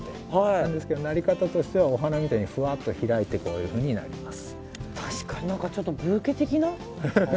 なんですけど、なり方としてはお花みたいにふわっと開いてこういうふうになります。